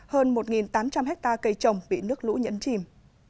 hơn một tám trăm linh hectare cây trồng bị nước lũ nhẫn chìm